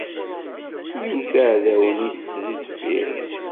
Iwt iɛdawen-is si deffir.